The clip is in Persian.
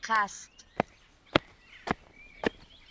خَست